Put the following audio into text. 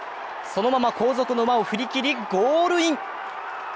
そのまま後続の馬を振り切りゴールイン。